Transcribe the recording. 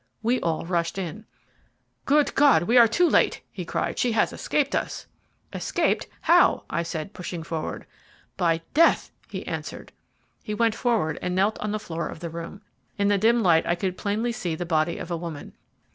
We all rushed in. "Good God, we are too late!" he cried "She has escaped us." "Escaped? How?" I said, pushing forward "By death!" he answered. He went forward and knelt on the floor of the room. In the dim light I could plainly see the body of a woman.